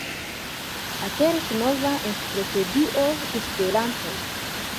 Aperis nova enciklopedio de Esperanto!